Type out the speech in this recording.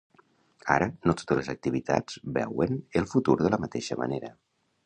Ara, no totes les activitats veuen el futur de la mateixa manera.